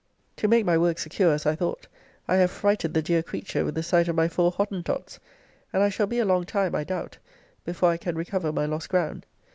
To my make my work secure, as I thought, I have frighted the dear creature with the sight of my four Hottentots, and I shall be a long time, I doubt, before I can recover my lost ground.